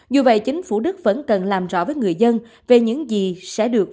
dù vậy chính phủ đức vẫn cần làm rõ với người dân về những gì sẽ được